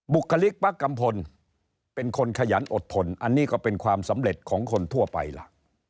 บุคลิกป้ากัมพลเป็นคนขยันอดทนอันนี้ก็เป็นความสำเร็จของคนทั่วไปล่ะ